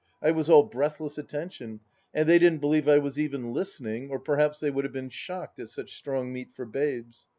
I was all breathless attention, and they didn't believe I was even listening, or perhaps they would have been shocked at such strong meat for babes